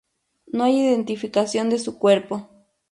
No hay identificación de su cuerpo.